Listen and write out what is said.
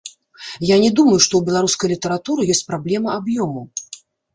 Я не думаю, што ў беларускай літаратуры ёсць праблема аб'ёму.